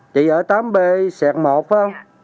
chị ở tám b sẹt một phải không